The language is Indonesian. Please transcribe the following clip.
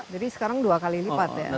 jadi sekarang dua kali lipat ya